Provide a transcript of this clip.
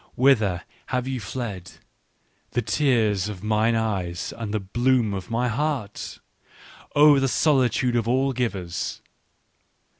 " Whither have ye fled, the tears of mine eyes and the bloom of my heart ? Oh, the solitude of all givers